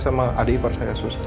sama adik ipar saya